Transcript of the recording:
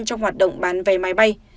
trong hoạt động bán vé máy bay